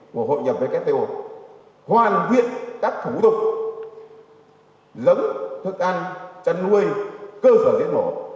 một hội nhập với kto hoàn thiện các thủ tục lấm thức ăn chăn nuôi cơ sở diễn bộ